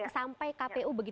sampai kpu begitu